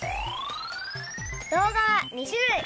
動画は２種類。